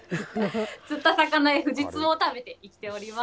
釣った魚やフジツボを食べて生きております。